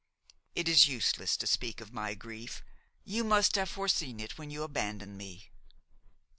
It is useless to speak of my grief; you must have foreseen it when you abandoned me.